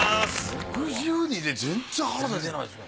６２で全然腹出てないですね。